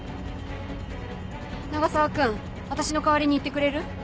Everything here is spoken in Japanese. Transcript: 永沢君私の代わりに行ってくれる？